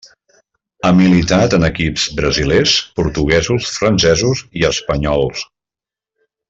Ha militat en equips brasilers, portuguesos, francesos i espanyols.